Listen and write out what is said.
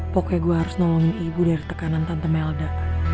pokoknya gue harus nolongin ibu dari tekanan tante melda